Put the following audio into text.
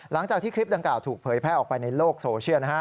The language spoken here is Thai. หลังจากที่คลิปดังกล่าวถูกเผยแพร่ออกไปในโลกโซเชียลนะฮะ